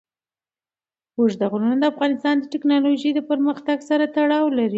اوږده غرونه د افغانستان د تکنالوژۍ پرمختګ سره تړاو لري.